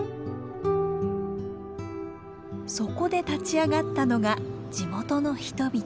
そこで立ち上がったのが地元の人々。